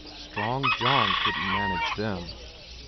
Strong John couldn't manage them!